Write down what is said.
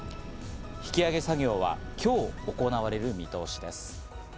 引き揚げ作業は今日行われる見通しです。